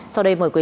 sau đây mời quý vị